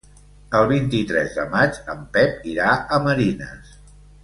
El vint-i-tres de maig en Pep irà a Marines.